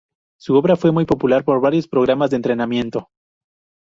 Su obra fue muy popular por varios programas de entretenimiento.